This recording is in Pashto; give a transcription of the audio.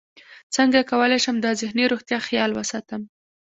څنګه کولی شم د ذهني روغتیا خیال وساتم